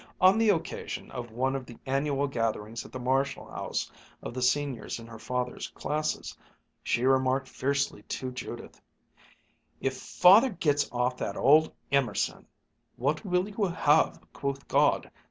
On the occasion of one of the annual gatherings at the Marshall house of the Seniors in her father's classes, she remarked fiercely to Judith, "If Father gets off that old Emerson, 'What will you have, quoth God.